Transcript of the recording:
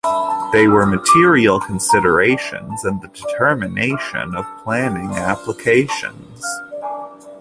They were material considerations in the determination of planning applications.